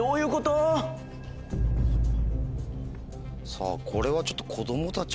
さぁこれはちょっと。